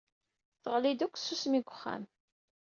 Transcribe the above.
Teɣli-d akk tsusmi deg wexxam.